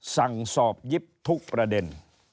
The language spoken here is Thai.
สั่งสอบยิบทุกประเด็น